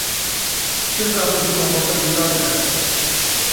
Şeş zarok di malbata Zelalê de hebûn.